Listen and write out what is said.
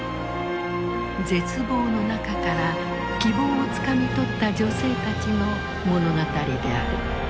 絶望の中から希望をつかみ取った女性たちの物語である。